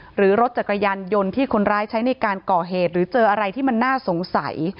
หรือรถจักรยานยนต์ที่คนร้ายใช้ในการก่อเหตุหรือเจออะไรที่มันน่าสงสัย